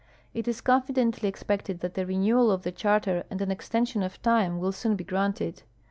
It is confidently expected that a rencAval of the charter and an extension of time will soon l)e granted.